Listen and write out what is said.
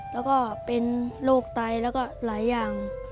แล้วก็เป็นโรคไตแล้วก็หลายอย่าง